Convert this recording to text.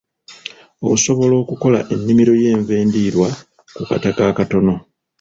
Osobola okola ennimiro y'enva endirwa ku kataka akatono.